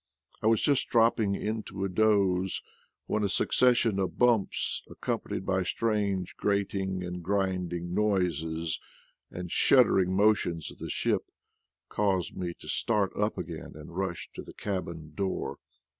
I was just dropping into a doze when a succes sion of bumps, accompanied by strange grating and grinding noises, and shuddering motions of the ship, caused me to start up again and rush to the cabin door.